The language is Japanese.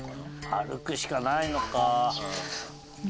歩くしかないのか。